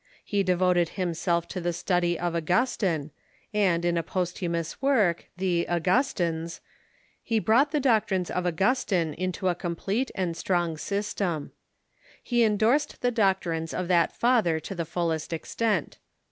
He devoted himself to the study of Auscustine, and in Jansenism ., i ^i ^<; a •,•« f i ,, a posthumous work, the " Augustines, he brought the doctrines of Augustine into a complete and strong system. He endorsed the doctrines of that father to the fullest extent.